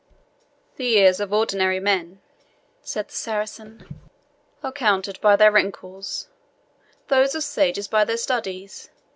"The years of ordinary men," said the Saracen, "are counted by their wrinkles; those of sages by their studies.